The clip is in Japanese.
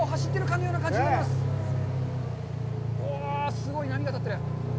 すごい波が立ってる。